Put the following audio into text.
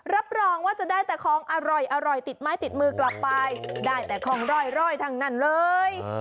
รับรองว่าจะได้แต่ของอร่อยติดไม้ติดมือกลับไปได้แต่ของร่อยทั้งนั้นเลย